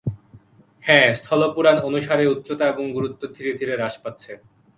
হ্যাঁ, স্থলপুরাণ অনুসারে, উচ্চতা এবং গুরুত্ব ধীরে ধীরে হ্রাস পাচ্ছে।